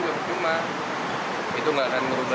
karena apapun yang berhubung ini juga tercuma